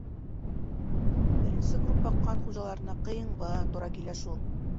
Беренсе группа ҡан хужаларына ҡыйынға тура килә шул.